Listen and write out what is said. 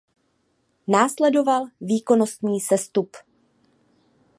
Následoval výkonnostní sestup.